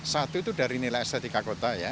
satu itu dari nilai estetika kota ya